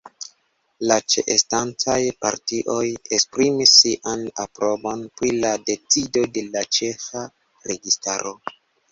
La ĉeestantaj partioj esprimis sian aprobon pri la decido de la ĉeĥa registaro.